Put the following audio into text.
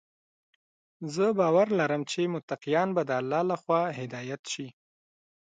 زه باور لرم چې متقیان به د الله لخوا هدايت شي.